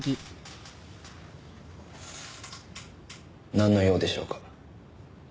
なんの用でしょうか？